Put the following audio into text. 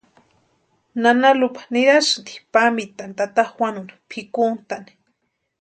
Nana Lupa nirasïnti pampitani tata Juanu pʼikuntani.